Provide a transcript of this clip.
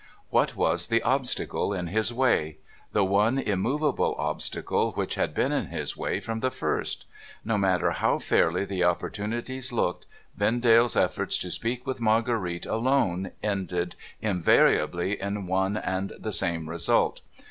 What was the obstacle in his way ? The one immovable obstacle which had been in his way from the first. No matter how fairly the opportunities looked, Vendale's efforts to speak with Marguerite alone ended invariably in one and the same result.